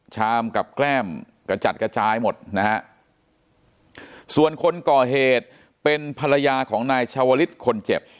ชามกับแก้มกระจัดกระจายหมดนะฮะส่วนคนก่อเหตุเป็นภรรยาของนายชาวลิศคนเจ็บ